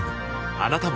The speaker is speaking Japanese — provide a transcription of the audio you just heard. あなたも